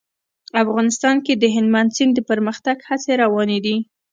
افغانستان کې د هلمند سیند د پرمختګ هڅې روانې دي.